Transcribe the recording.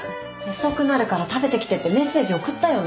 遅くなるから食べてきてってメッセージ送ったよね？